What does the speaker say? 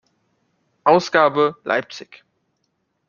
Ausgabe, Leipzig.